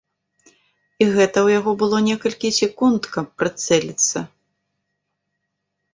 І гэта ў яго было некалькі секунд, каб прыцэліцца.